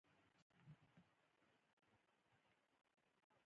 د الوتلو سیپارې راوړي